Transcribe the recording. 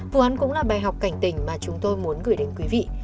vụ án cũng là bài học cảnh tình mà chúng tôi muốn gửi đến quý vị